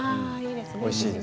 おいしいです。